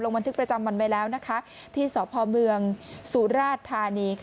บันทึกประจำวันไว้แล้วที่สพเมืองสุราชธานี